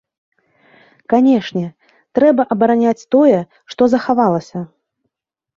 Канешне, трэба абараняць тое, што захавалася.